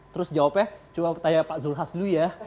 terus jawabnya coba tanya pak zulhas dulu ya